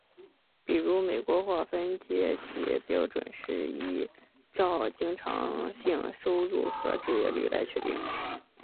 比如美国划分阶级标准是依照经常性收入和就业率来确定。